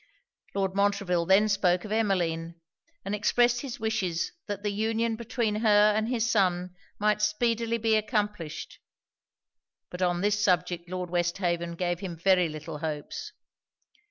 Lord Montreville then spoke of Emmeline; and expressed his wishes that the union between her and his son might speedily be accomplished: but on this subject Lord Westhaven gave him very little hopes.